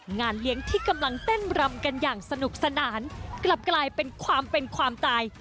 งานเลี้ยงที่กำลังเต้นรำกันอย่างสนุกสนานกลับกลายเป็นความเป็นความตาย